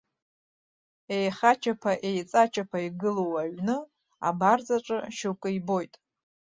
Еихачаԥа-еиҵачаԥа игылоу аҩны абарҵаҿы шьоукы ибоит.